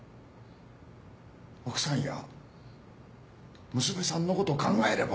奥さんや娘さんのことを考えれば！